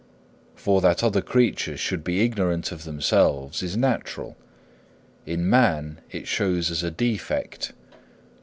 For that other creatures should be ignorant of themselves is natural; in man it shows as a defect.